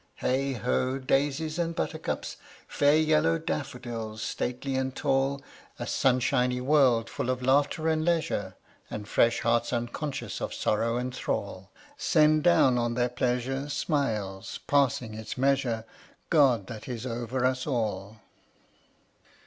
Heigh ho! daisies and buttercups, Fair yellow daffodils, stately and tall A sunshiny world full of laughter and leisure, And fresh hearts unconscious of sorrow and thrall! Send down on their pleasure smiles passing its measure, God that is over us all!